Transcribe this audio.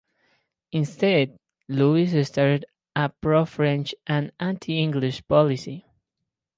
Instead, Louis started a pro-French and anti-English policy.